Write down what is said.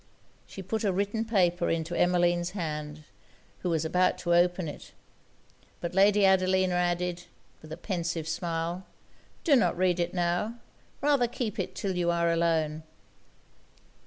She put a written paper into Emmeline's hand, who was about to open it; but Lady Adelina added, with a pensive smile, 'do not read it now; rather keep it till you are alone.'